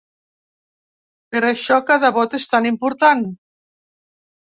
Per això cada vot és tan important.